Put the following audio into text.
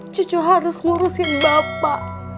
cucu harus ngurusin papa